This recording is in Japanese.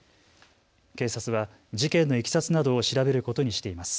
警察は事件のいきさつなどを調べることにしています。